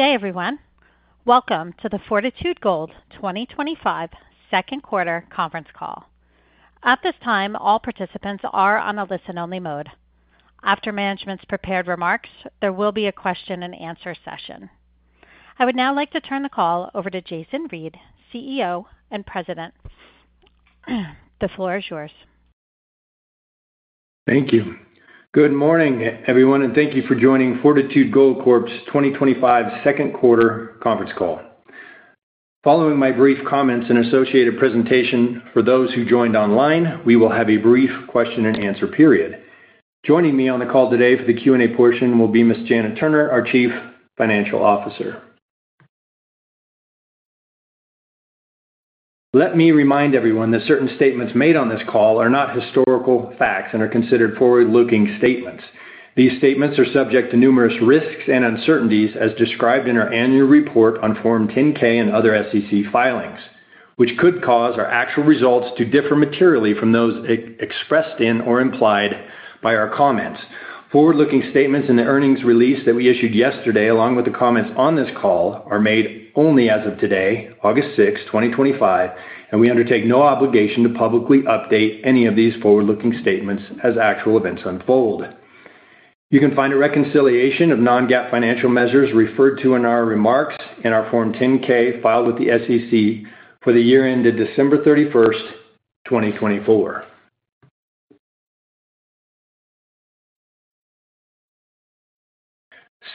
Good day, everyone. Welcome to the Fortitude Gold Corp 2025 Second Quarter Conference Call. At this time, all participants are on a listen-only mode. After management's prepared remarks, there will be a question-and-answer session. I would now like to turn the call over to Jason Reid, CEO and President. The floor is yours. Thank you. Good morning, everyone, and thank you for joining Fortitude Gold Corp's 2025 Second Quarter Conference Call. Following my brief comments and associated presentation for those who joined online, we will have a brief question and answer period. Joining me on the call today for the Q&A portion will be Ms. Janet Turner, our Chief Financial Officer. Let me remind everyone that certain statements made on this call are not historical facts and are considered forward-looking statements. These statements are subject to numerous risks and uncertainties, as described in our annual report on Form 10-K and other SEC filings, which could cause our actual results to differ materially from those expressed in or implied by our comments. Forward-looking statements in the earnings release that we issued yesterday, along with the comments on this call, are made only as of today, August 6, 2025, and we undertake no obligation to publicly update any of these forward-looking statements as actual events unfold. You can find a reconciliation of non-GAAP financial measures referred to in our remarks and our Form 10-K filed with the SEC for the year ended December 31, 2024.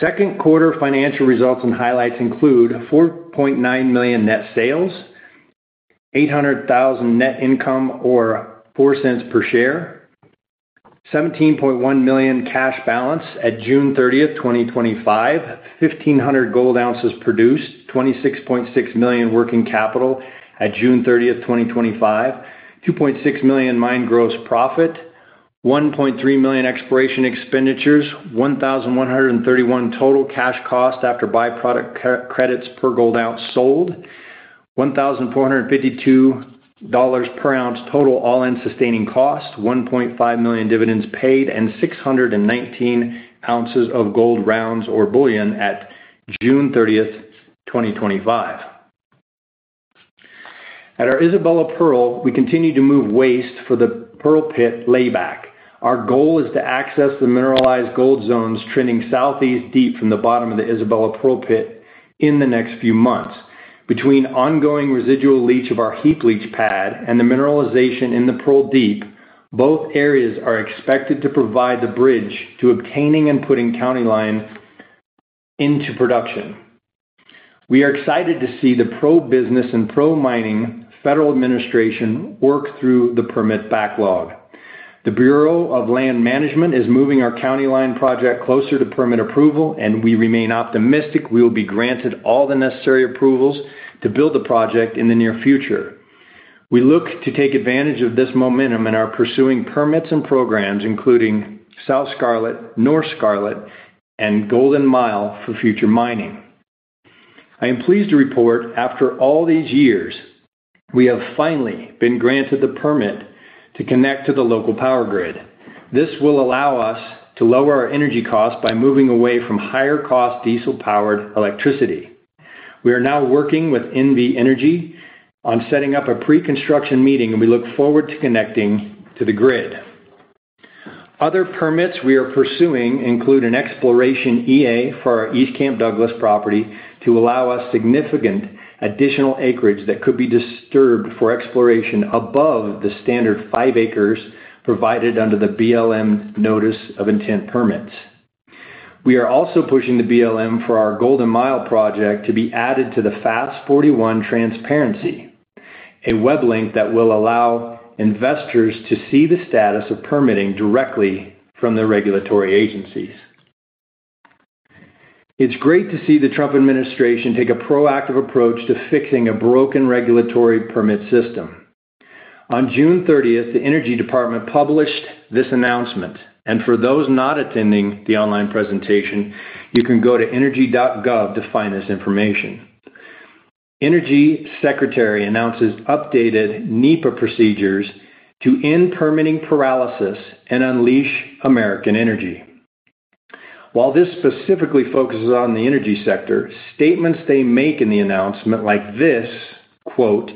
Second quarter financial results and highlights include $4.9 million net sales, $800,000 net income or $0.04 per share, $17.1 million cash balance at June 30, 2025, 1,500 gold ounces produced, $26.6 million working capital at June 30, 2025, $2.6 million mine gross profit, $1.3 million exploration expenditures, $1,131 total cash cost after byproduct credits per gold ounce sold, $1,452/oz total all-in sustaining cost, $1.5 million dividends paid, and 619 oz of gold rounds or bullion at June 30, 2025. At our Isabella Pearl mine, we continue to move waste for the Pearl Pit layback. Our goal is to access the mineralized gold zones trending southeast deep from the bottom of the Isabella Pearl Pit in the next few months. Between ongoing residual leach of our heap leach pad and the mineralization in the Pearl Deep, both areas are expected to provide the bridge to obtaining and putting County Line project into production. We are excited to see the pro-business and pro-mining federal administration work through the permit backlog. The Bureau of Land Management is moving our County Line project closer to permit approval, and we remain optimistic we will be granted all the necessary approvals to build the project in the near future. We look to take advantage of this momentum in our pursuing permits and programs, including Scarlet South, Scarlet North, and Golden Mile for future mining. I am pleased to report, after all these years, we have finally been granted the permit to connect to the local power grid. This will allow us to lower our energy costs by moving away from higher-cost diesel-powered electricity. We are now working with NV Energy on setting up a pre-construction meeting, and we look forward to connecting to the grid. Other permits we are pursuing include an exploration EA for our East Camp Douglas property to allow us significant additional acreage that could be disturbed for exploration above the standard five acres provided under the Bureau of Land Management Notice of Intent Permits. We are also pushing the Bureau of Land Management for our Golden Mile project to be added to the FAS 41 transparency, a web link that will allow investors to see the status of permitting directly from the regulatory agencies. It's great to see the Trump administration take a proactive approach to fixing a broken regulatory permit system. On June 30, the Energy Department published this announcement, and for those not attending the online presentation, you can go to energy.gov to find this information. Energy Secretary announces updated NEPA procedures to end permitting paralysis and unleash American energy. While this specifically focuses on the energy sector, statements they make in the announcement like this, quote,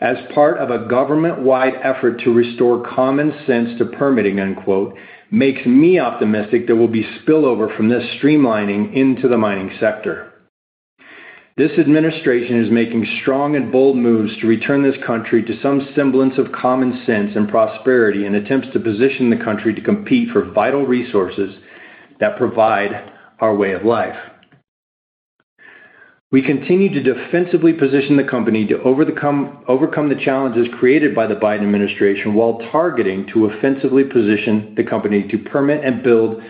"As part of a government-wide effort to restore common sense to permitting," unquote, makes me optimistic there will be spillover from this streamlining into the mining sector. This administration is making strong and bold moves to return this country to some semblance of common sense and prosperity and attempts to position the country to compete for vital resources that provide our way of life. We continue to defensively position the company to overcome the challenges created by the Biden administration while targeting to offensively position the company to permit and build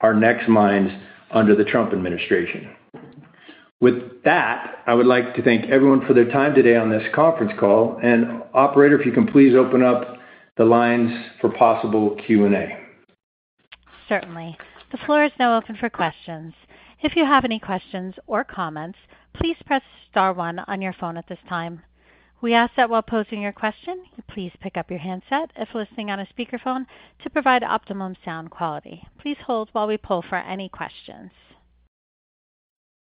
our next mines under the Trump administration. With that, I would like to thank everyone for their time today on this conference call. Operator, if you can please open up the lines for possible Q&A. Certainly. The floor is now open for questions. If you have any questions or comments, please press star one on your phone at this time. We ask that while posing your question, you please pick up your handset if listening on a speakerphone to provide optimum sound quality. Please hold while we pull for any questions.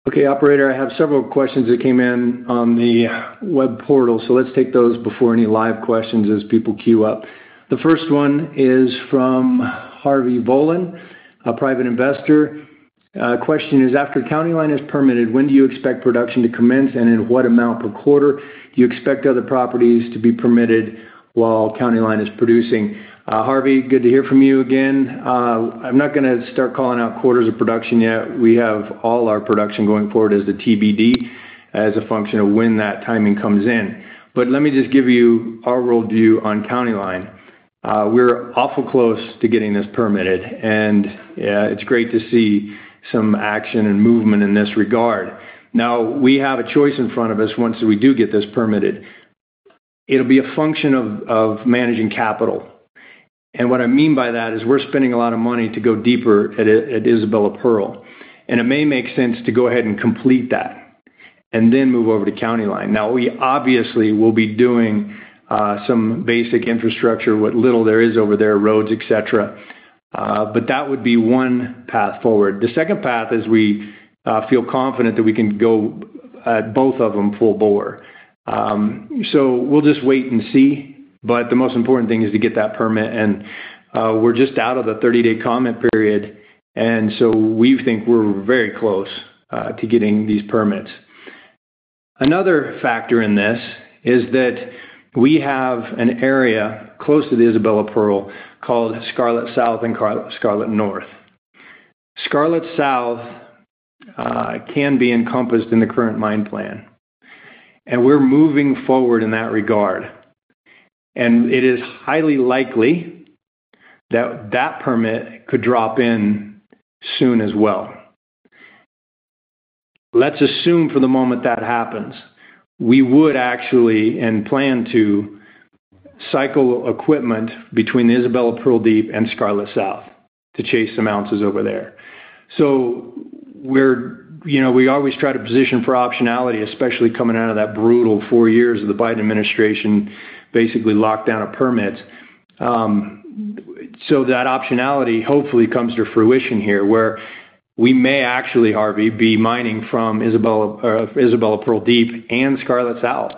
Okay, Operator, I have several questions that came in on the web portal, so let's take those before any live questions as people queue up. The first one is from Harvey Volin, a private investor. The question is, after County Line is permitted, when do you expect production to commence and in what amount per quarter do you expect other properties to be permitted while County Line is producing? Harvey, good to hear from you again. I'm not going to start calling out quarters of production yet. We have all our production going forward as the TBD as a function of when that timing comes in. Let me just give you our world view on County Line. We're awful close to getting this permitted, and yeah, it's great to see some action and movement in this regard. We have a choice in front of us once we do get this permitted. It'll be a function of managing capital. What I mean by that is we're spending a lot of money to go deeper at Isabella Pearl, and it may make sense to go ahead and complete that and then move over to County Line. We obviously will be doing some basic infrastructure, what little there is over there, roads, et cetera. That would be one path forward. The second path is we feel confident that we can go at both of them full bore. We'll just wait and see. The most important thing is to get that permit, and we're just out of the 30-day comment period. We think we're very close to getting these permits. Another factor in this is that we have an area close to the Isabella Pearl called Scarlet South and Scarlet North. Scarlet South can be encompassed in the current mine plan, and we're moving forward in that regard. It is highly likely that that permit could drop in soon as well. Let's assume for the moment that happens, we would actually plan to cycle equipment between the Isabella Pearl Deep and Scarlet South to chase some ounces over there. We always try to position for optionality, especially coming out of that brutal four years of the Biden administration basically locked down a permit. That optionality hopefully comes to fruition here where we may actually, Harvey, be mining from Isabella Pearl Deep and Scarlet South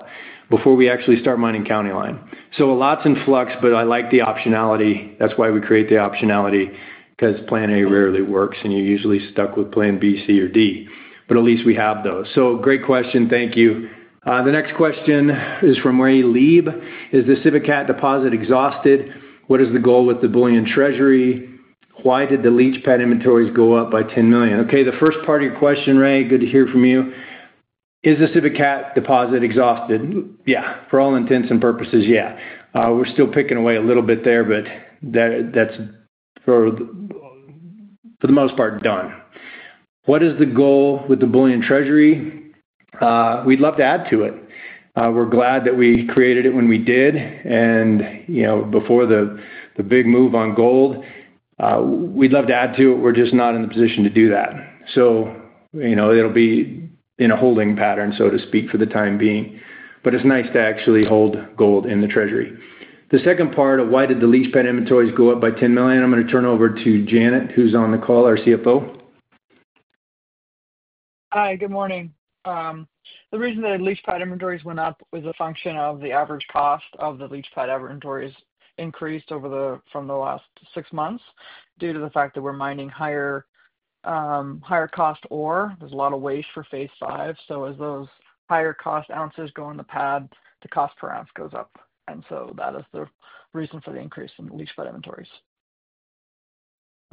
before we actually start mining County Line. A lot's in flux, but I like the optionality. That's why we create the optionality, because plan A rarely works and you're usually stuck with plan B, C, or D. At least we have those. Great question. Thank you. The next question is from Ray Leeb. Is the CivicCat deposit exhausted? What is the goal with the bullion treasury? Why did the leach pad inventories go up by $10 million? Okay, the first part of your question, Ray, good to hear from you. Is the CivicCat deposit exhausted? Yeah, for all intents and purposes, yeah. We're still picking away a little bit there, but that's for the most part done. What is the goal with the bullion treasury? We'd love to add to it. We're glad that we created it when we did, and you know, before the big move on gold, we'd love to add to it. We're just not in the position to do that. You know, it'll be in a holding pattern, so to speak, for the time being. It's nice to actually hold gold in the treasury. The second part of why did the leach pad inventories go up by $10 million? I'm going to turn over to Janet, who's on the call, our CFO. Hi, good morning. The reason the leach pad inventories went up was a function of the average cost of the leach pad inventories increased from the last six months due to the fact that we're mining higher cost ore, there's a lot of waste for phase five. As those higher cost ounces go in the pad, the cost per ounce goes up. That is the reason for the increase in leach pad inventories.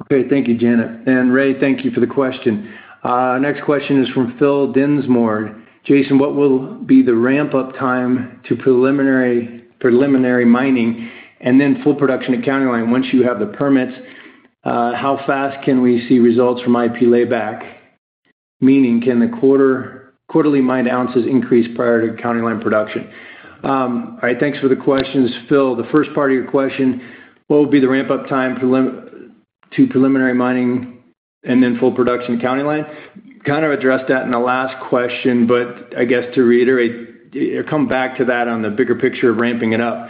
Okay, thank you, Janet. Thank you for the question, Ray. Our next question is from Phil Dinsmourd. Jason, what will be the ramp-up time to preliminary mining and then full production at County Line once you have the permits? How fast can we see results from IP layback? Meaning, can the quarterly mined ounces increase prior to County Line production? Thank you for the questions, Phil. The first part of your question, what would be the ramp-up time to preliminary mining and then full production at County Line? I kind of addressed that in the last question, but to reiterate and come back to that on the bigger picture of ramping it up,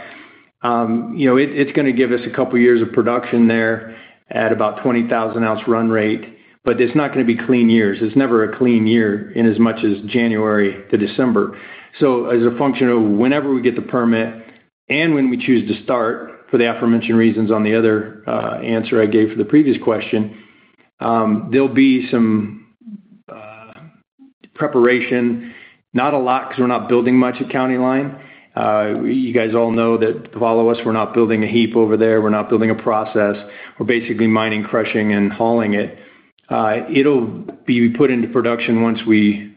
it's going to give us a couple of years of production there at about a 20,000 oz run rate, but it's not going to be clean years. There's never a clean year in as much as January to December. As a function of whenever we get the permit and when we choose to start for the aforementioned reasons on the other answer I gave for the previous question, there will be some preparation. Not a lot, because we're not building much at County Line. You all know that follow us, we're not building a heap over there. We're not building a process. We're basically mining, crushing, and hauling it. It will be put into production once we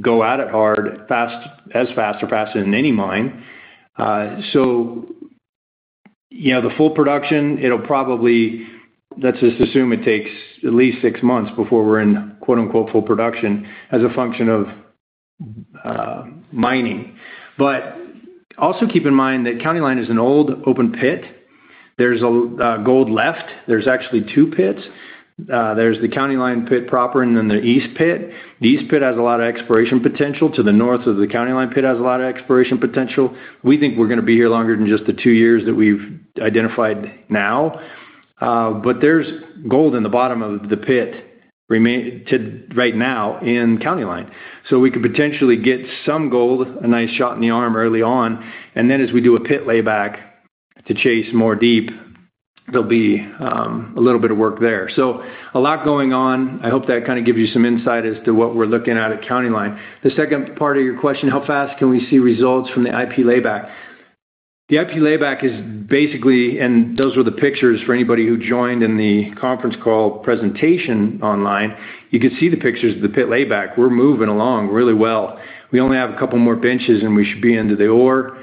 go at it hard, fast, as fast or faster than any mine. The full production, let's just assume it takes at least six months before we're in "full production" as a function of mining. Also keep in mind that County Line is an old open pit. There's gold left. There are actually two pits. There's the County Line pit proper and then the East pit. The East pit has a lot of exploration potential. To the north of the County Line pit has a lot of exploration potential. We think we're going to be here longer than just the two years that we've identified now. There's gold in the bottom of the pit right now in County Line. We could potentially get some gold, a nice shot in the arm early on. As we do a pit layback to chase more deep, there will be a little bit of work there. A lot is going on. I hope that gives you some insight as to what we're looking at at County Line. The second part of your question, how fast can we see results from the IP layback? The IP layback is basically, and those were the pictures for anybody who joined in the conference call presentation online, you could see the pictures of the pit layback. We're moving along really well. We only have a couple more benches and we should be into the ore.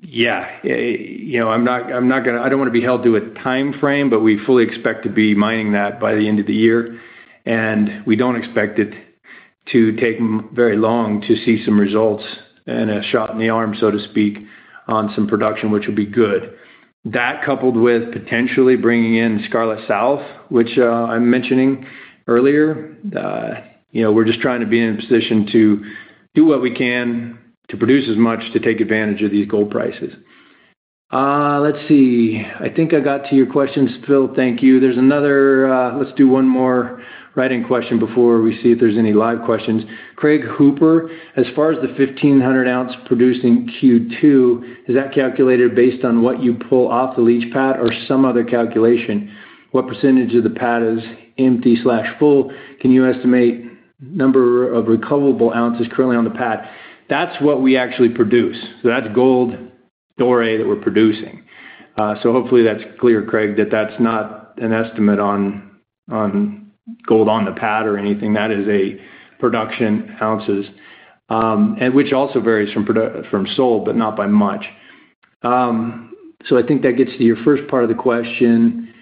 Yeah, you know, I'm not going to, I don't want to be held to a timeframe, but we fully expect to be mining that by the end of the year. We don't expect it to take very long to see some results and a shot in the arm, so to speak, on some production, which would be good. That, coupled with potentially bringing in Scarlet South, which I'm mentioning earlier, we're just trying to be in a position to do what we can to produce as much to take advantage of these gold prices. Let's see. I think I got to your questions, Phil. Thank you. There's another, let's do one more write-in question before we see if there's any live questions. Craig Hooper, as far as the 1,500 oz produced in Q2, is that calculated based on what you pull off the leach pad or some other calculation? What percentage of the pad is empty/full? Can you estimate the number of recoverable ounces currently on the pad? That's what we actually produce. That's gold ore that we're producing. Hopefully that's clear, Craig, that that's not an estimate on gold on the pad or anything. That is production ounces, which also varies from sold, but not by much. I think that gets to your first part of the question.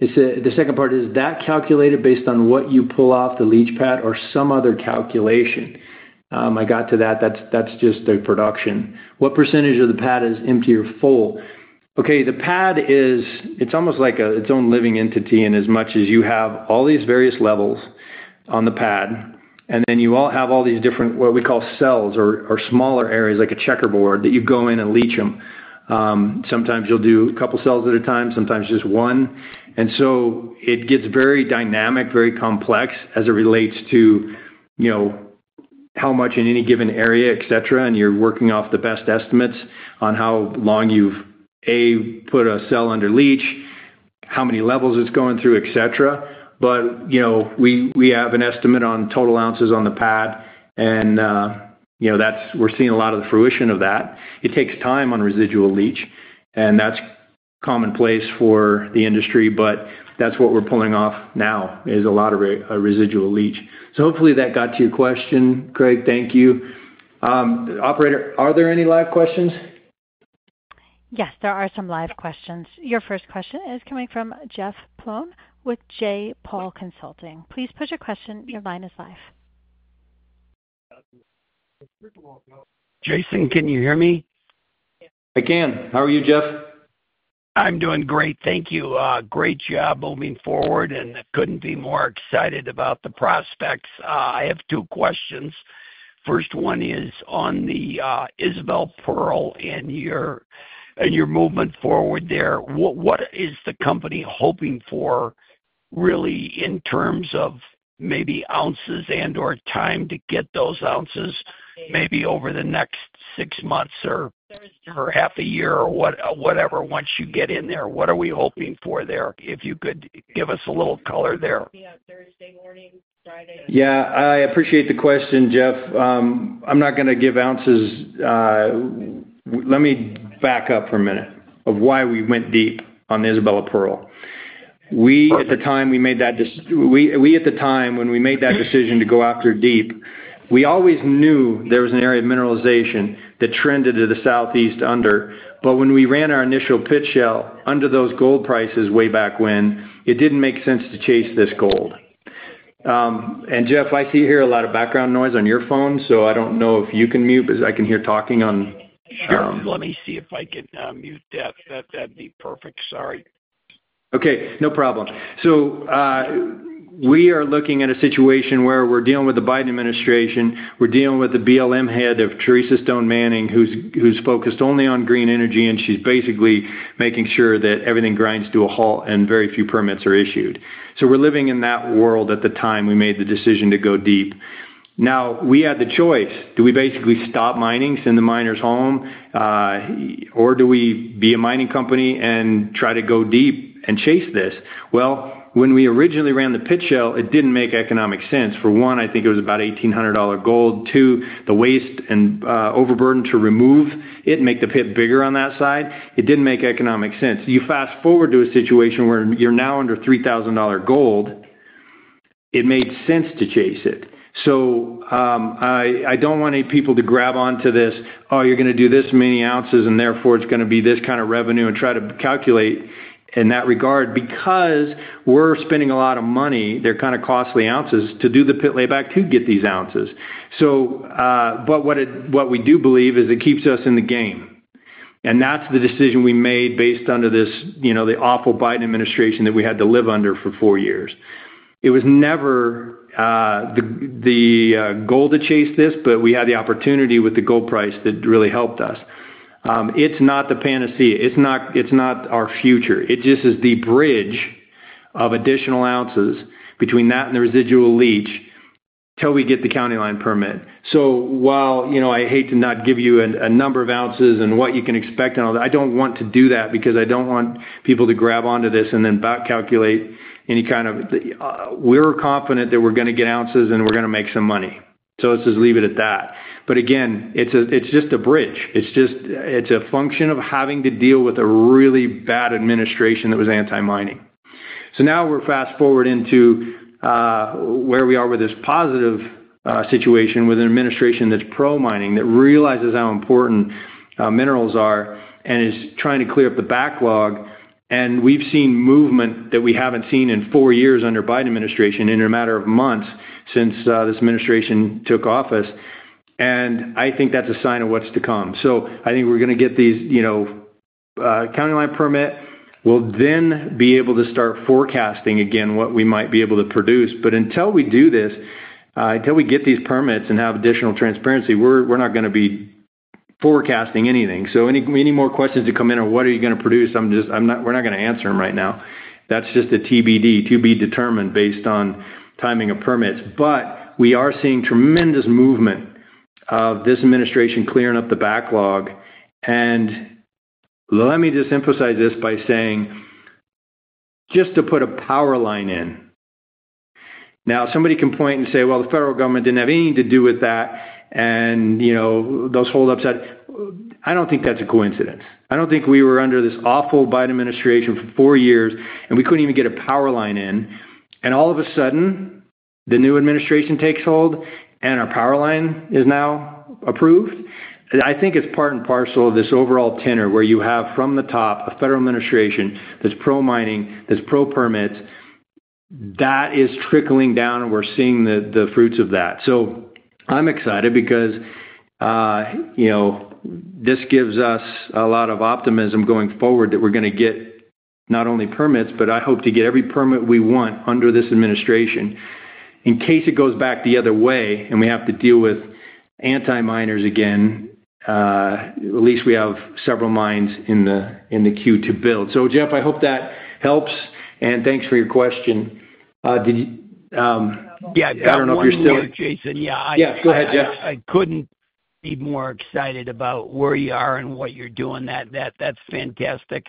The second part is, is that calculated based on what you pull off the leach pad or some other calculation? I got to that. That's just the production. What percentage of the pad is empty or full? The pad is almost like its own living entity. As much as you have all these various levels on the pad, you also have all these different, what we call cells or smaller areas, like a checkerboard that you go in and leach them. Sometimes you'll do a couple cells at a time, sometimes just one. It gets very dynamic, very complex as it relates to how much in any given area, et cetera. You're working off the best estimates on how long you've put a cell under leach, how many levels it's going through, et cetera. We have an estimate on total ounces on the pad. We're seeing a lot of the fruition of that. It takes time on residual leach. That's commonplace for the industry, but that's what we're pulling off now is a lot of residual leach. Hopefully that got to your question, Craig. Thank you. Operator, are there any live questions? Yes, there are some live questions. Your first question is coming from Jeff Plone with J. Paul Consulting. Please put your question. Your line is live. Jason, can you hear me? Yes, I can. How are you, Jeff? I'm doing great. Thank you. Great job moving forward, and I couldn't be more excited about the prospects. I have two questions. First one is on the Isabella Pearl and your movement forward there. What is the company hoping for really in terms of maybe ounces and/or time to get those ounces maybe over the next six months or half a year or whatever? Once you get in there, what are we hoping for there? If you could give us a little color there. Yeah, Thursday morning, Friday. Yeah, I appreciate the question, Jeff. I'm not going to give ounces. Let me back up for a minute on why we went deep on the Isabella Pearl. At the time we made that decision to go after deep, we always knew there was an area of mineralization that trended to the southeast under. When we ran our initial pit shell under those gold prices way back when, it didn't make sense to chase this gold. Jeff, I see you hear a lot of background noise on your phone, so I don't know if you can mute, but I can hear talking on. Let me see if I can mute that. That'd be perfect. Sorry. Okay, no problem. We are looking at a situation where we're dealing with the Biden administration. We're dealing with the Bureau of Land Management head, Teresa Stone Manning, who's focused only on green energy, and she's basically making sure that everything grinds to a halt and very few permits are issued. We're living in that world at the time we made the decision to go deep. We had the choice. Do we basically stop mining, send the miners home, or do we be a mining company and try to go deep and chase this? When we originally ran the pit shell, it didn't make economic sense. For one, I think it was about $1,800 gold. Two, the waste and overburden to remove it and make the pit bigger on that side, it didn't make economic sense. You fast forward to a situation where you're now under $3,000 gold. It made sense to chase it. I don't want any people to grab onto this, oh, you're going to do this many ounces, and therefore it's going to be this kind of revenue and try to calculate in that regard because we're spending a lot of money. They're kind of costly ounces to do the pit layback to get these ounces. What we do believe is it keeps us in the game. That's the decision we made based under this, you know, the awful Biden administration that we had to live under for four years. It was never the goal to chase this, but we had the opportunity with the gold price that really helped us. It's not the panacea. It's not our future. It just is the bridge of additional ounces between that and the residual leach till we get the County Line permit. While I hate to not give you a number of ounces and what you can expect and all that, I don't want to do that because I don't want people to grab onto this and then calculate any kind of, we're confident that we're going to get ounces and we're going to make some money. Let's just leave it at that. Again, it's just a bridge. It's just, it's a function of having to deal with a really bad administration that was anti-mining. Now we're fast forward into where we are with this positive situation with an administration that's pro-mining, that realizes how important minerals are and is trying to clear up the backlog. We've seen movement that we haven't seen in four years under the Biden administration, in a matter of months since this administration took office. I think that's a sign of what's to come. I think we're going to get these, you know, County Line permit. We'll then be able to start forecasting again what we might be able to produce. Until we do this, until we get these permits and have additional transparency, we're not going to be forecasting anything. Any more questions that come in or what are you going to produce? I'm just, we're not going to answer them right now. That's just a TBD, to be determined based on timing of permits. We are seeing tremendous movement of this administration clearing up the backlog. Let me just emphasize this by saying, just to put a power line in. Now somebody can point and say, well, the federal government didn't have anything to do with that. You know, those hold-ups, I don't think that's a coincidence. I don't think we were under this awful Biden administration for four years and we couldn't even get a power line in. All of a sudden, the new administration takes hold and our power line is now approved. I think it's part and parcel of this overall tenor where you have from the top a federal administration that's pro-mining, that's pro-permits. That is trickling down and we're seeing the fruits of that. I'm excited because, you know, this gives us a lot of optimism going forward that we're going to get not only permits, but I hope to get every permit we want under this administration in case it goes back the other way and we have to deal with anti-miners again. At least we have several mines in the queue to build. Jeff, I hope that helps. Thanks for your question. I don't know if you're still with Jason. Yeah, go ahead, Jeff. I couldn't be more excited about where you are and what you're doing. That's fantastic.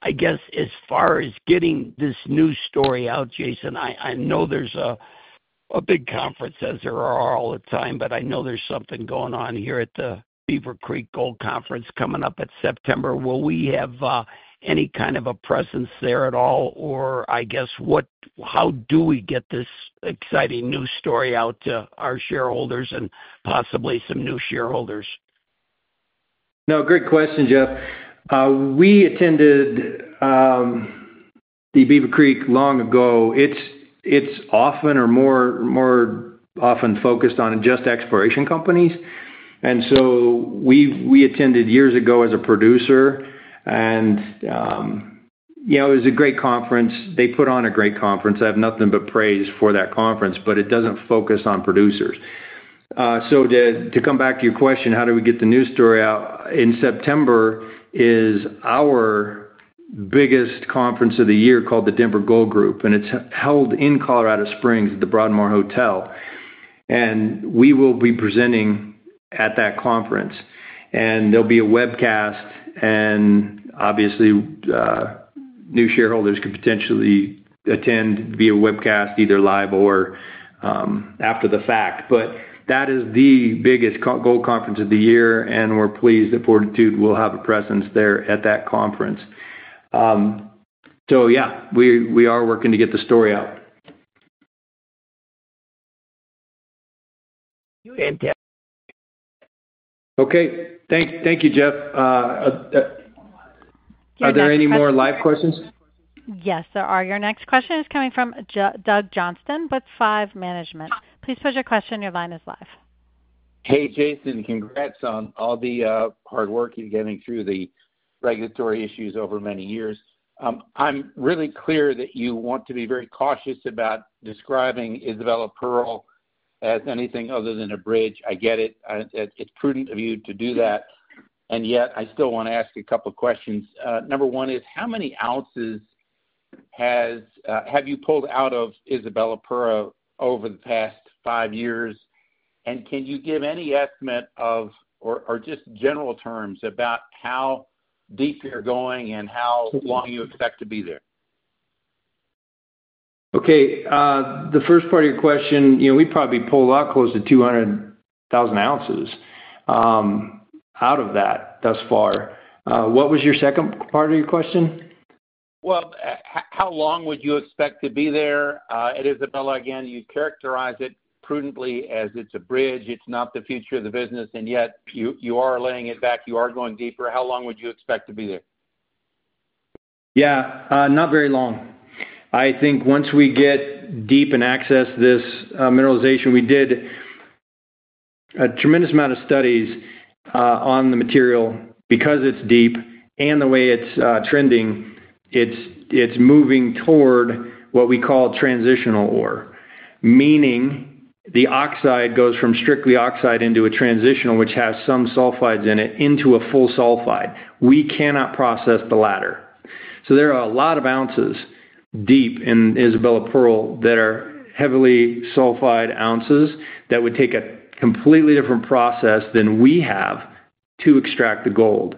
I guess as far as getting this news story out, Jason, I know there's a big conference as there are all the time, but I know there's something going on here at the Denver Gold Group conference coming up in September. Will we have any kind of a presence there at all? How do we get this exciting news story out to our shareholders and possibly some new shareholders? No, great question, Jeff. We attended the Beaver Creek long ago. It's often or more often focused on just exploration companies. We attended years ago as a producer. It was a great conference. They put on a great conference. I have nothing but praise for that conference, but it doesn't focus on producers. To come back to your question, how do we get the news story out? In September is our biggest conference of the year called the Denver Gold Group. It's held in Colorado Springs at the Broadmoor Hotel. We will be presenting at that conference. There'll be a webcast. Obviously, new shareholders can potentially attend via webcast either live or after the fact. That is the biggest gold conference of the year. We're pleased that Fortitude Gold Corp will have a presence there at that conference. We are working to get the story out. Okay, thank you, Jeff. Are there any more live questions? Yes, there are. Your next question is coming from Doug Johnston with Five Management. Please put your question. Your line is live. Hey Jason, congrats on all the hard work you've given through the regulatory issues over many years. I'm really clear that you want to be very cautious about describing Isabella Pearl as anything other than a bridge. I get it. It's prudent of you to do that. Yet, I still want to ask a couple of questions. Number one is how many ounces have you pulled out of Isabella Pearl over the past five years? Can you give any estimate of, or just general terms about how deep they're going and how long you expect to be there? Okay, the first part of your question, you know, we probably pulled out close to 200,000 oz out of that thus far. What was your second part of your question? How long would you expect to be there at Isabella again? You characterize it prudently as it's a bridge. It's not the future of the business. Yet, you are laying it back. You are going deeper. How long would you expect to be there? Yeah, not very long. I think once we get deep and access this mineralization, we did a tremendous amount of studies on the material because it's deep and the way it's trending. It's moving toward what we call transitional ore, meaning the oxide goes from strictly oxide into a transitional, which has some sulfides in it, into a full sulfide. We cannot process the latter. There are a lot of ounces deep in Isabella Pearl that are heavily sulfide ounces that would take a completely different process than we have to extract the gold.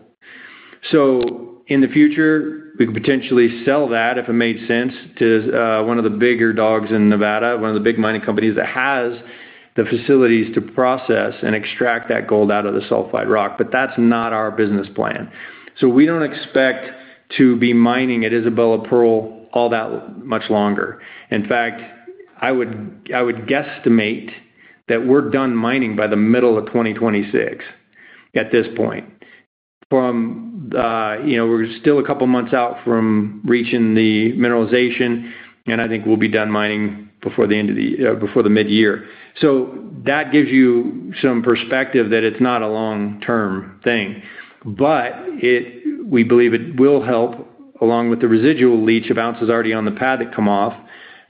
In the future, we could potentially sell that if it made sense to one of the bigger dogs in Nevada, one of the big mining companies that has the facilities to process and extract that gold out of the sulfide rock. That's not our business plan. We don't expect to be mining at Isabella Pearl all that much longer. In fact, I would guesstimate that we're done mining by the middle of 2026 at this point. We're still a couple of months out from reaching the mineralization, and I think we'll be done mining before the mid-year. That gives you some perspective that it's not a long-term thing. We believe it will help along with the residual leach of ounces already on the pad that come off,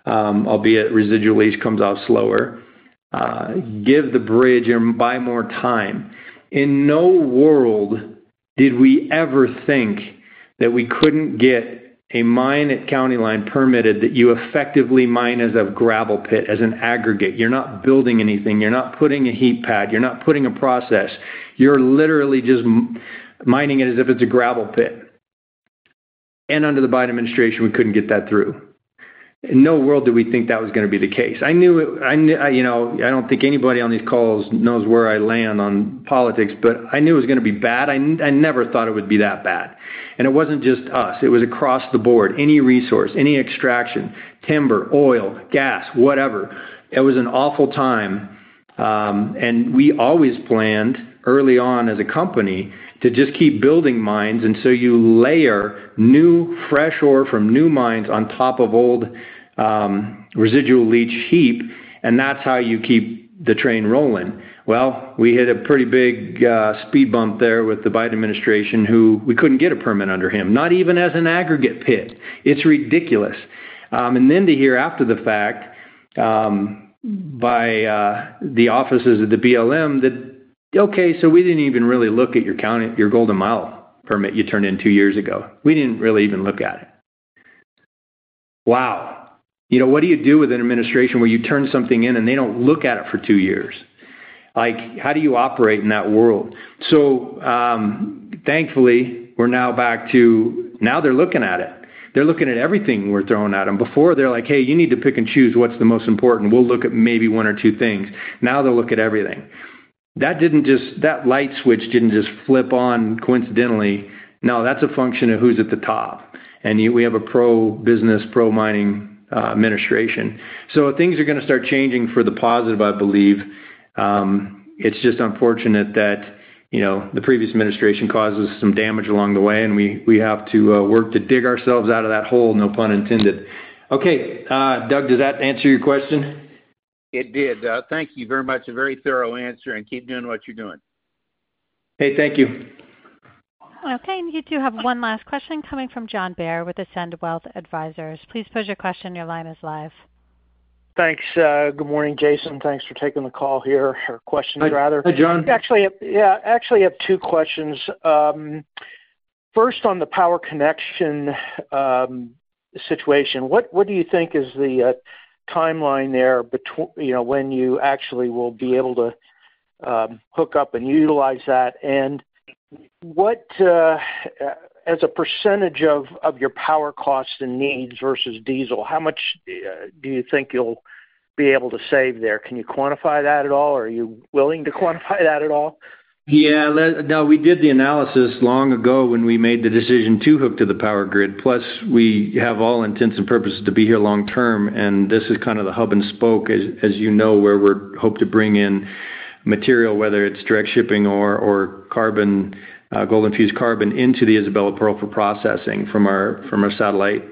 albeit residual leach comes off slower, give the bridge and buy more time. In no world did we ever think that we couldn't get a mine at County Line permitted that you effectively mine as a gravel pit, as an aggregate. You're not building anything. You're not putting a heap pad. You're not putting a process. You're literally just mining it as if it's a gravel pit. Under the Biden administration, we couldn't get that through. In no world did we think that was going to be the case. I knew, I don't think anybody on these calls knows where I land on politics, but I knew it was going to be bad. I never thought it would be that bad. It wasn't just us. It was across the board. Any resource, any extraction, timber, oil, gas, whatever. It was an awful time. We always planned early on as a company to just keep building mines. You layer new, fresh ore from new mines on top of old residual leach heap. That's how you keep the train rolling. We hit a pretty big speed bump there with the Biden administration, who we couldn't get a permit under him, not even as an aggregate pit. It's ridiculous. The year after the fact, by the offices of the BLM, that, okay, we didn't even really look at your Golden Mile project permit you turned in two years ago. We didn't really even look at it. Wow. What do you do with an administration where you turn something in and they don't look at it for two years? How do you operate in that world? Thankfully, we're now back to now they're looking at it. They're looking at everything we're throwing at them. Before, they're like, hey, you need to pick and choose what's the most important. We'll look at maybe one or two things. Now they'll look at everything. That light switch didn't just flip on coincidentally. No, that's a function of who's at the top. We have a pro-business, pro-mining administration. Things are going to start changing for the positive, I believe. It's just unfortunate that the previous administration causes some damage along the way, and we have to work to dig ourselves out of that hole, no pun intended. Okay, Doug, does that answer your question? It did. Thank you very much. A very thorough answer, and keep doing what you're doing. Thank you. Okay, you do have one last question coming from John Baer with Ascend Wealth Advisors. Please pose your question. Your line is live. Thanks. Good morning, Jason. Thanks for taking the call here, or questions, rather. Hi John. I have two questions. First, on the power connection situation, what do you think is the timeline there between when you actually will be able to hook up and utilize that? As a percentage of your power costs and needs versus diesel, how much do you think you'll be able to save there? Can you quantify that at all, or are you willing to quantify that at all? Yeah, no, we did the analysis long ago when we made the decision to hook to the power grid. Plus, we have all intents and purposes to be here long term. This is kind of the hub and spoke, as you know, where we hope to bring in material, whether it's direct shipping or carbon, gold infused carbon into the Isabella Pearl for processing from our satellite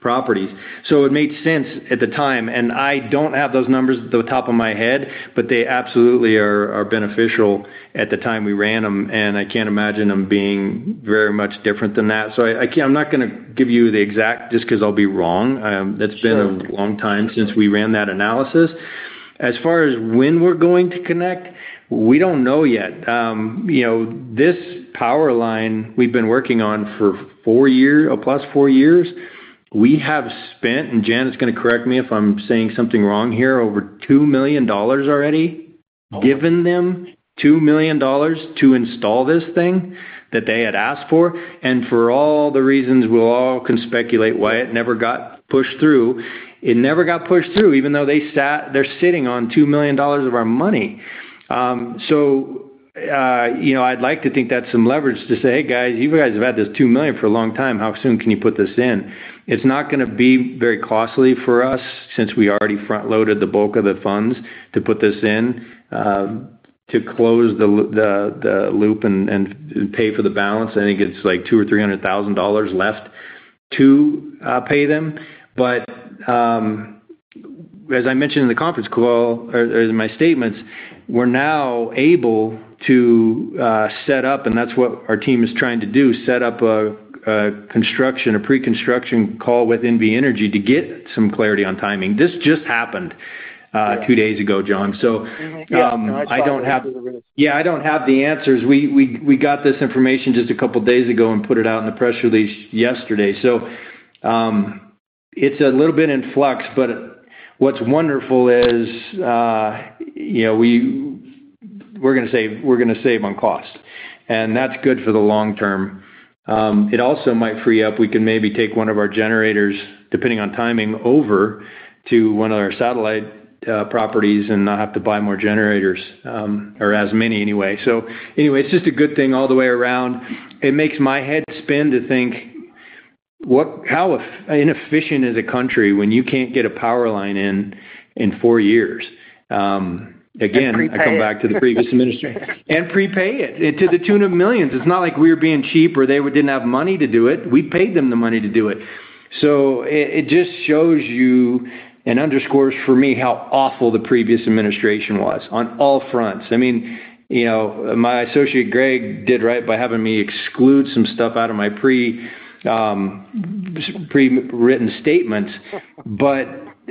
properties. It made sense at the time. I don't have those numbers at the top of my head, but they absolutely are beneficial at the time we ran them. I can't imagine them being very much different than that. I can't, I'm not going to give you the exact, just because I'll be wrong. It's been a long time since we ran that analysis. As far as when we're going to connect, we don't know yet. This power line we've been working on for four years, plus four years. We have spent, and Janet's going to correct me if I'm saying something wrong here, over $2 million already, given them $2 million to install this thing that they had asked for. For all the reasons we all can speculate why it never got pushed through, it never got pushed through, even though they sat, they're sitting on $2 million of our money. I'd like to think that's some leverage to say, "Hey guys, you guys have had this $2 million for a long time. How soon can you put this in?" It's not going to be very costly for us since we already front-loaded the bulk of the funds to put this in, to close the loop and pay for the balance. I think it's like $200,000 or $300,000 left to pay them. As I mentioned in the conference call or in my statements, we're now able to set up, and that's what our team is trying to do, set up a construction, a pre-construction call with NV Energy to get some clarity on timing. This just happened two days ago, John. I don't have, yeah, I don't have the answers. We got this information just a couple of days ago and put it out in the press release yesterday. It's a little bit in flux, but what's wonderful is, we're going to save on cost. That's good for the long term. It also might free up, we can maybe take one of our generators, depending on timing, over to one of our satellite properties and not have to buy more generators, or as many anyway. It's just a good thing all the way around. It makes my head spin to think, how inefficient is a country when you can't get a power line in in four years? I come back to the previous administration. We prepaid it to the tune of millions. It's not like we were being cheap or they didn't have money to do it. We paid them the money to do it. It just shows you and underscores for me how awful the previous administration was on all fronts. My associate Greg did right by having me exclude some stuff out of my pre-written statements.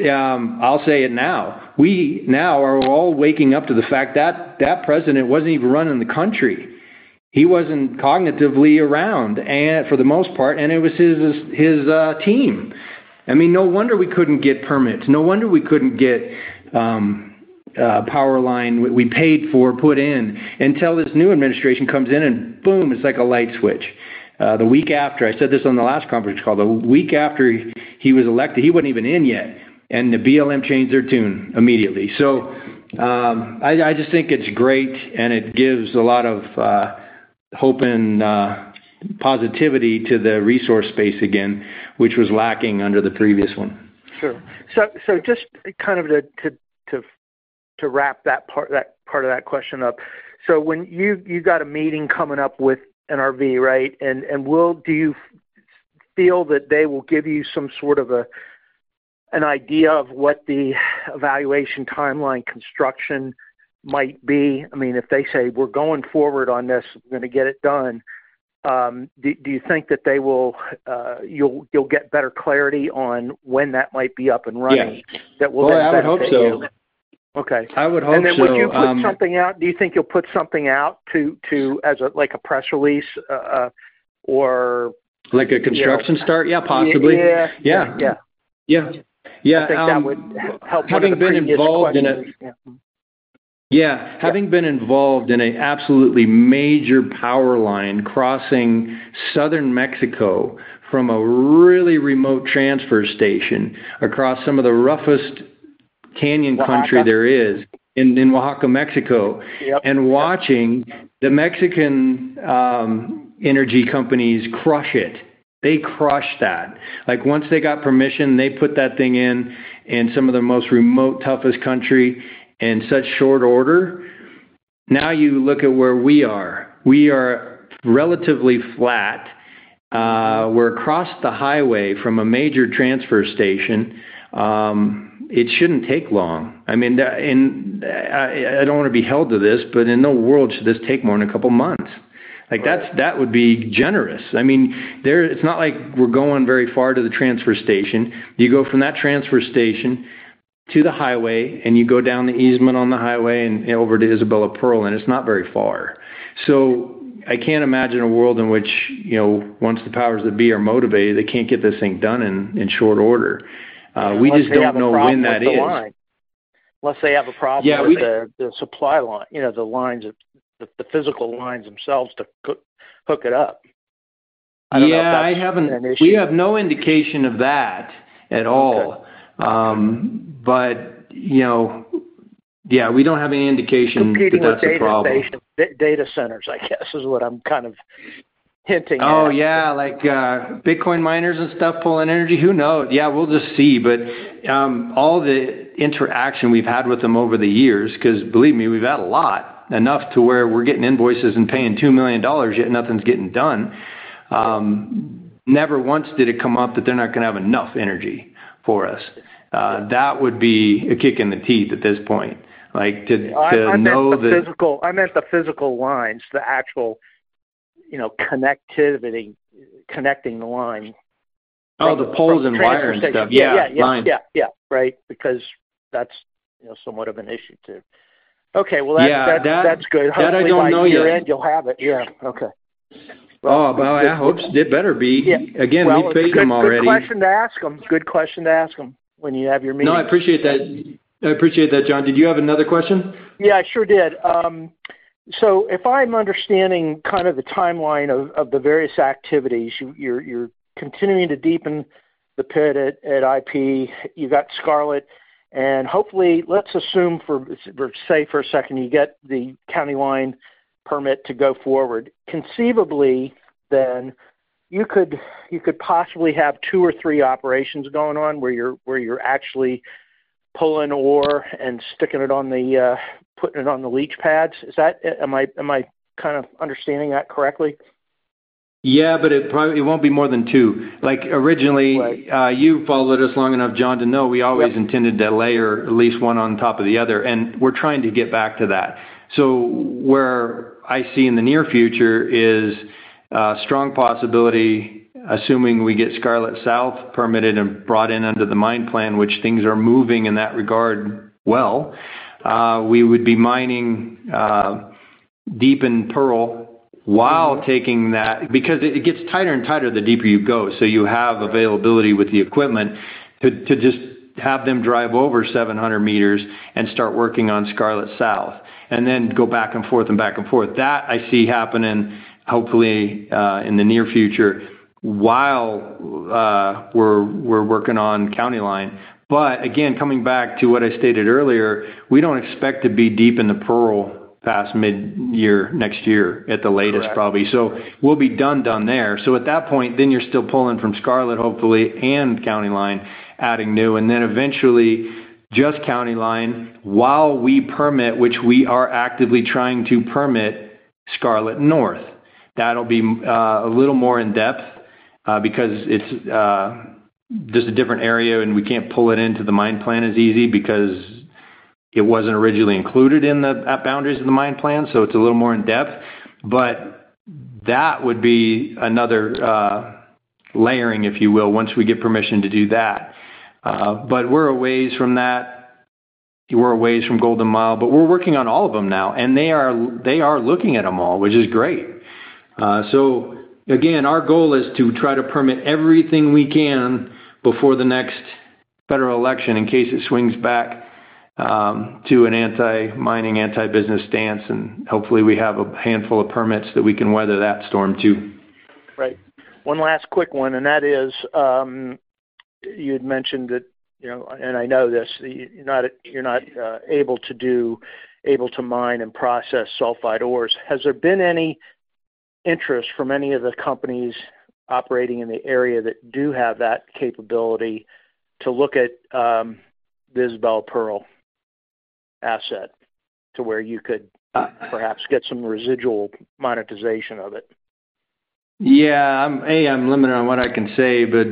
I'll say it now. We now are all waking up to the fact that that president wasn't even running the country. He wasn't cognitively around, for the most part, and it was his team. No wonder we couldn't get permits. No wonder we couldn't get a power line we paid for put in, until this new administration comes in and it's like a light switch. The week after, I said this on the last conference call, the week after he was elected, he wasn't even in yet. The BLM changed their tune immediately. I just think it's great, and it gives a lot of hope and positivity to the resource space again, which was lacking under the previous one. Sure, just to wrap that part of that question up. When you've got a meeting coming up with NV Energy, right? Do you feel that they will give you some sort of an idea of what the evaluation timeline construction might be? I mean, if they say, "We're going forward on this, we're going to get it done," do you think that you'll get better clarity on when that might be up and running? Yeah. That will happen. I hope so. Okay. I would hope so. Do you think you'll put something out, like a press release? Like a construction start? Yeah, possibly. Yeah. Yeah. Yeah. Yeah. Yeah. Yeah. That would help everybody. Having been involved in an absolutely major power line crossing southern Mexico from a really remote transfer station across some of the roughest canyon country there is in Oaxaca, Mexico, and watching the Mexican energy companies crush it. They crush that. Like once they got permission, they put that thing in in some of the most remote, toughest country in such short order. Now you look at where we are. We are relatively flat. We're across the highway from a major transfer station. It shouldn't take long. I mean, I don't want to be held to this, but in no world should this take more than a couple of months. That would be generous. I mean, it's not like we're going very far to the transfer station. You go from that transfer station to the highway, and you go down the easement on the highway and over to Isabella Pearl, and it's not very far. I can't imagine a world in which, you know, once the powers that be are motivated, they can't get this thing done in short order. We just don't know when that is. Let's say they have a problem with the supply line, you know, the lines of the physical lines themselves to hook it up. I haven't had an issue. We have no indication of that at all. We don't have any indication about the problem. Data centers is what I'm kind of hinting at. Oh, yeah, like Bitcoin miners and stuff pulling energy. Who knows? We'll just see. All the interaction we've had with them over the years, because believe me, we've had a lot, enough to where we're getting invoices and paying $2 million, yet nothing's getting done. Never once did it come up that they're not going to have enough energy for us. That would be a kick in the teeth at this point. I meant the physical lines, the actual, you know, connectivity, connecting the line. Oh, the poles and wire and stuff. Yeah, right. Because that's, you know, somewhat of an issue too. Okay, that's good. Yeah, that's good. Hopefully, by the end, you'll have it. Yeah, okay. I hope it did better. Again, you paid them already. Good question to ask them when you have your meeting. No, I appreciate that. I appreciate that, John. Did you have another question? Yeah, I sure did. If I'm understanding kind of the timeline of the various activities, you're continuing to deepen the pit at Isabella Pearl. You've got Scarlet. Hopefully, let's assume for a second you get the County Line permit to go forward. Conceivably, then you could possibly have two or three operations going on where you're actually pulling ore and putting it on the leach pads. Is that, am I kind of understanding that correctly? Yeah, but it probably won't be more than two. Like originally, you followed us long enough, John, to know we always intended to layer at least one on top of the other. We're trying to get back to that. Where I see in the near future is a strong possibility, assuming we get Scarlet South permitted and brought in under the mine plan, which things are moving in that regard well. We would be mining deep in Pearl while taking that, because it gets tighter and tighter the deeper you go. You have availability with the equipment to just have them drive over 700 m and start working on Scarlet South and then go back and forth and back and forth. I see that happening hopefully in the near future while we're working on County Line. Again, coming back to what I stated earlier, we don't expect to be deep in the Pearl past mid-year next year at the latest, probably. We'll be done, done there. At that point, you're still pulling from Scarlet, hopefully, and County Line, adding new, and then eventually just County Line while we permit, which we are actively trying to permit Scarlet North. That'll be a little more in depth because it's just a different area and we can't pull it into the mine plan as easy because it wasn't originally included in the boundaries of the mine plan. It's a little more in depth. That would be another layering, if you will, once we get permission to do that. We're a ways from that. We're a ways from Golden Mile, but we're working on all of them now. They are looking at them all, which is great. Our goal is to try to permit everything we can before the next federal election in case it swings back to an anti-mining, anti-business stance. Hopefully, we have a handful of permits that we can weather that storm too. Right. One last quick one, and that is you had mentioned that, you know, and I know this, you're not able to mine and process sulfide ores. Has there been any interest from any of the companies operating in the area that do have that capability to look at the Isabella Pearl asset to where you could perhaps get some residual monetization of it? I'm limited on what I can say, but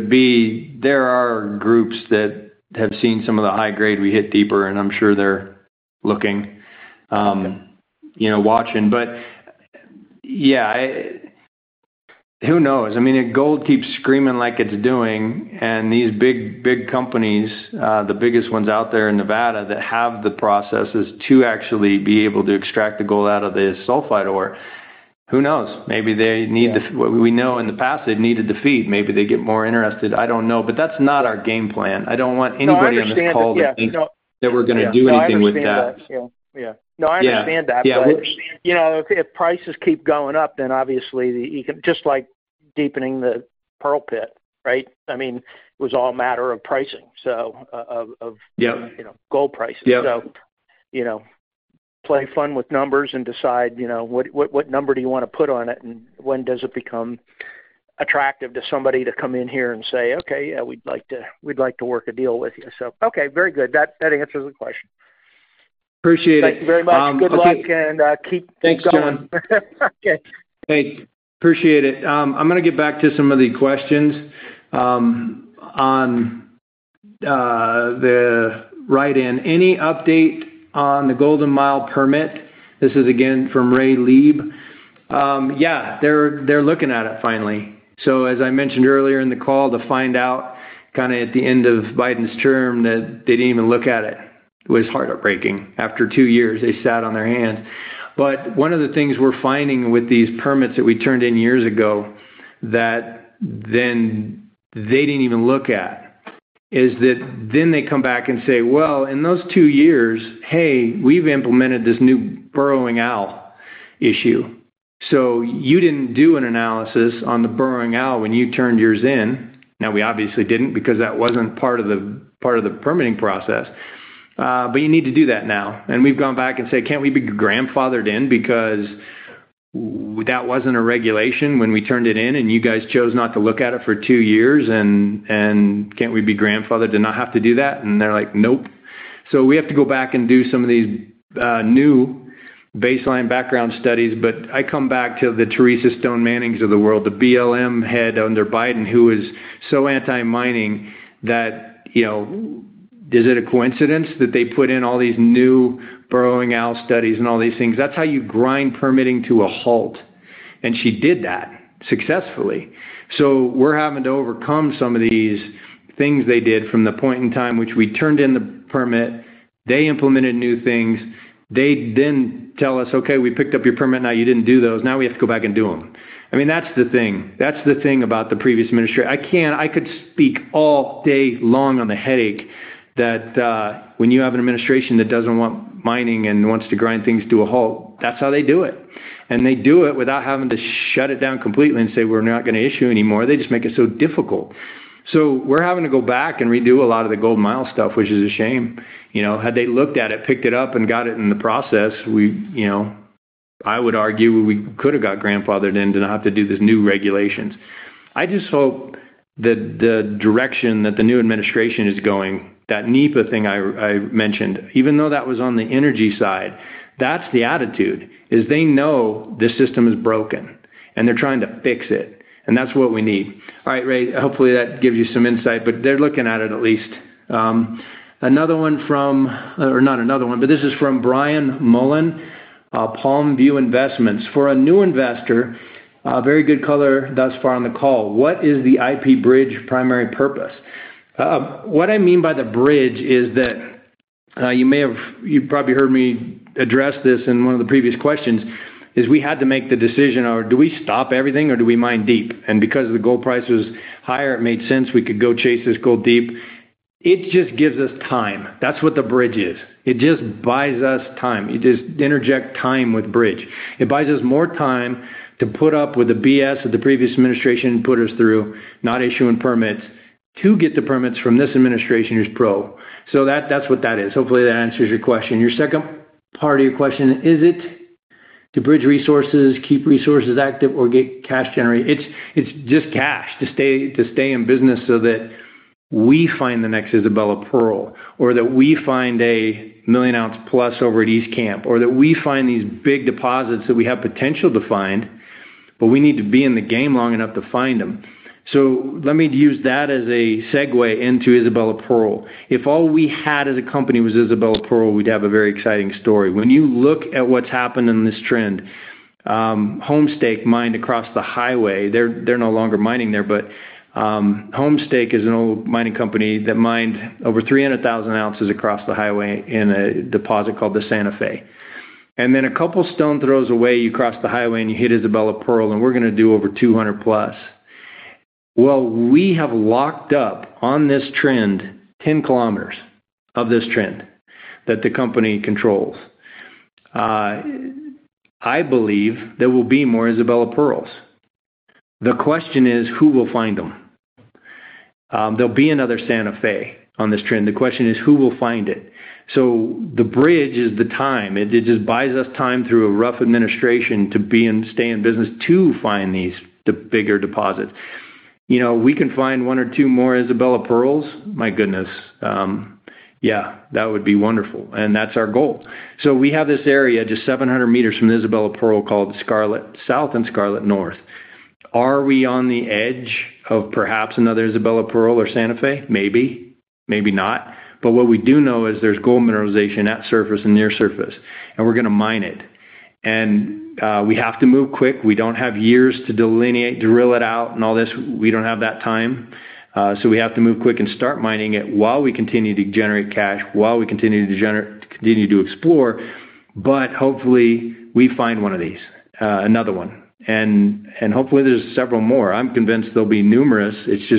there are groups that have seen some of the high grade we hit deeper, and I'm sure they're looking, you know, watching. Who knows? I mean, if gold keeps screaming like it's doing, and these big, big companies, the biggest ones out there in Nevada that have the processes to actually be able to extract the gold out of the sulfide ore, who knows? Maybe they need the, we know in the past they'd need a defeat. Maybe they get more interested. I don't know. That's not our game plan. I don't want anybody on the call to think that we're going to do anything with that. I understand that. If prices keep going up, then obviously you can, just like deepening the Pearl pit, right? It was all a matter of pricing, of gold prices. You can play fun with numbers and decide what number you want to put on it, and when it becomes attractive to somebody to come in here and say, okay, yeah, we'd like to work a deal with you. Very good. That answers the question. Appreciate it. Thank you very much. Good luck and keep. Thanks, John. Okay. Thanks. Appreciate it. I'm going to get back to some of the questions on the write-in. Any update on the Golden Mile permit? This is again from Ray Leib. Yeah, they're looking at it finally. As I mentioned earlier in the call, to find out kind of at the end of Biden's term that they didn't even look at it was heartbreaking. After two years, they sat on their hands. One of the things we're finding with these permits that we turned in years ago that then they didn't even look at is that then they come back and say, in those two years, hey, we've implemented this new burrowing owl issue. You didn't do an analysis on the burrowing owl when you turned yours in. Now, we obviously didn't because that wasn't part of the permitting process. You need to do that now. We've gone back and said, can't we be grandfathered in because that wasn't a regulation when we turned it in and you guys chose not to look at it for two years? Can't we be grandfathered to not have to do that? They're like, nope. We have to go back and do some of these new baseline background studies. I come back to the Teresa Stone Mannings of the world, the BLM head under Biden, who is so anti-mining that, you know, is it a coincidence that they put in all these new burrowing owl studies and all these things? That's how you grind permitting to a halt. She did that successfully. We're having to overcome some of these things they did from the point in time which we turned in the permit. They implemented new things. They then tell us, okay, we picked up your permit. Now you didn't do those. Now we have to go back and do them. That's the thing. That's the thing about the previous minister. I could speak all day long on the headache that when you have an administration that doesn't want mining and wants to grind things to a halt, that's how they do it. They do it without having to shut it down completely and say, we're not going to issue anymore. They just make it so difficult. We're having to go back and redo a lot of the Golden Mile stuff, which is a shame. Had they looked at it, picked it up, and got it in the process, I would argue we could have got grandfathered in to not have to do these new regulations. I just hope that the direction that the new administration is going, that NEPA thing I mentioned, even though that was on the energy side, that's the attitude, is they know this system is broken. They're trying to fix it. That's what we need. All right, Ray, hopefully that gives you some insight, but they're looking at it at least. This is from Brian Mullin, Palm View Investments. For a new investor, very good color thus far on the call. What is the IP bridge primary purpose? What I mean by the bridge is that you may have, you probably heard me address this in one of the previous questions, we had to make the decision, do we stop everything or do we mine deep? Because the gold price was higher, it made sense we could go chase this gold deep. It just gives us time. That's what the bridge is. It just buys us time. It just interjects time with bridge. It buys us more time to put up with the BS that the previous administration put us through, not issuing permits, to get the permits from this administration who's pro. That's what that is. Hopefully that answers your question. Your second part of your question, is it to bridge resources, keep resources active, or get cash generated? It's just cash to stay in business so that we find the next Isabella Pearl, or that we find a million ounce plus over at East Camp, or that we find these big deposits that we have potential to find, but we need to be in the game long enough to find them. Let me use that as a segue into Isabella Pearl. If all we had as a company was Isabella Pearl, we'd have a very exciting story. When you look at what's happened in this trend, Homestake mined across the highway, they're no longer mining there, but Homestake is an old mining company that mined over 300,000 oz across the highway in a deposit called the Santa Fe. A couple stone throws away, you cross the highway and you hit Isabella Pearl, and we're going to do over 200+. We have locked up on this trend 10 km of this trend that the company controls. I believe there will be more Isabella Pearls. The question is, who will find them? There will be another Santa Fe on this trend. The question is, who will find it? The bridge is the time. It just buys us time through a rough administration to be in, stay in business to find these bigger deposits. We can find one or two more Isabella Pearls. My goodness. That would be wonderful. That's our goal. We have this area just 700 m from the Isabella Pearl called Scarlet South and Scarlet North. Are we on the edge of perhaps another Isabella Pearl or Santa Fe? Maybe. Maybe not. What we do know is there's gold mineralization at surface and near surface, and we're going to mine it. We have to move quick. We don't have years to delineate, drill it out, and all this. We don't have that time. We have to move quick and start mining it while we continue to generate cash, while we continue to generate, continue to explore. Hopefully, we find one of these, another one. Hopefully, there's several more. I'm convinced there'll be numerous.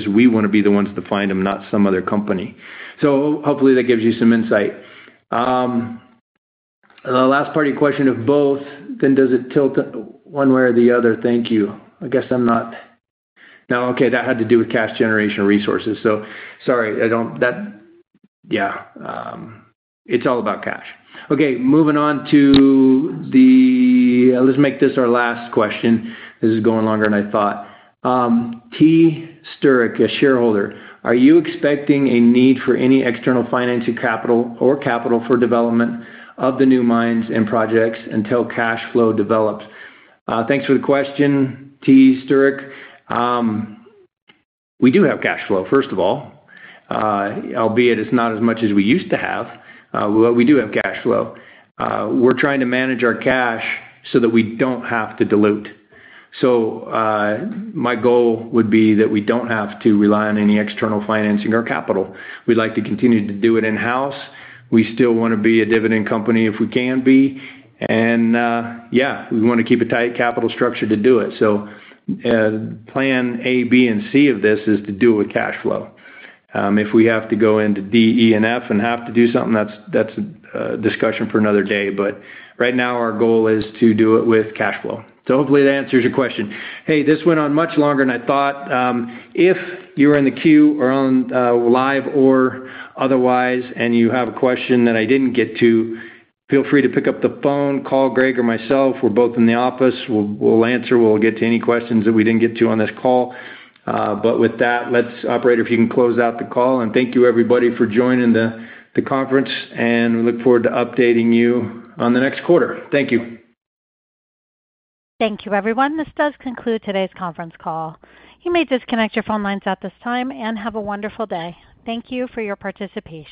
We want to be the ones to find them, not some other company. Hopefully, that gives you some insight. The last part of your question, if both, then does it tilt one way or the other? Thank you. I guess I'm not. No, okay, that had to do with cash generation resources. Sorry, I don't, that, yeah, it's all about cash. Okay, moving on to the, let's make this our last question. This is going longer than I thought. T. Sterrick, a shareholder. Are you expecting a need for any external financing capital or capital for development of the new mines and projects until cash flow develops? Thanks for the question, T. Sterrick. We do have cash flow, first of all, albeit it's not as much as we used to have. We do have cash flow. We're trying to manage our cash so that we don't have to dilute. My goal would be that we don't have to rely on any external financing or capital. We'd like to continue to do it in-house. We still want to be a dividend company if we can be. We want to keep a tight capital structure to do it. Plan A, B, and C of this is to do it with cash flow. If we have to go into D, E, and F and have to do something, that's a discussion for another day. Right now, our goal is to do it with cash flow. Hopefully, that answers your question. Hey, this went on much longer than I thought. If you're in the queue or on live or otherwise, and you have a question that I didn't get to, feel free to pick up the phone, call Greg or myself. We're both in the office. We'll answer. We'll get to any questions that we didn't get to on this call. With that, operator, if you can close out the call. Thank you everybody for joining the conference. We look forward to updating you on the next quarter. Thank you. Thank you, everyone. This does conclude today's conference call. You may disconnect your phone lines at this time and have a wonderful day. Thank you for your participation.